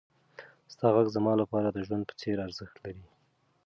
ستا غږ زما لپاره د ژوند په څېر ارزښت لري.